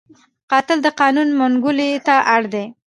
قاتل د قانون منګولو ته اړ دی